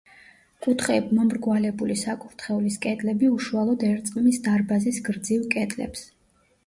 კუთხეებმომრგვალებული საკურთხევლის კედლები უშუალოდ ერწყმის დარბაზის გრძივ კედლებს.